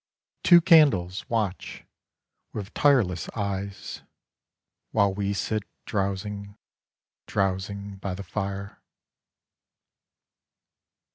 Two candles watch with tireless eyes While we sit drowsing, drowsing by the fire. 24 By the Fire.